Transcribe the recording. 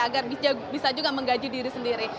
agar bisa juga menggaji diri sendiri